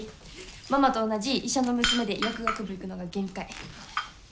ママと同じ医者の娘で薬学部行くのが限界。